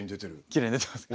きれいに出てますか？